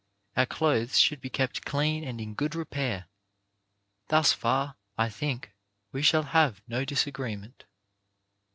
Our clothes should be kept clean and in good repair. Thus far, I think, we shall have no disagreement.